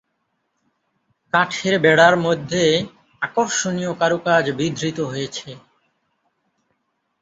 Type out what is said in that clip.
কাঠের বেড়ার মধ্যে আকর্ষণীয় কারুকাজ বিধৃত হয়েছে।